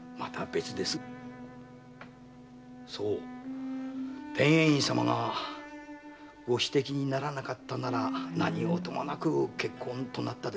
そう天英院様がご指摘にならなかったなら何ごともなく結婚となったでしょう。